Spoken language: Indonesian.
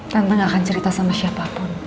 tante gak akan cerita sama siapapun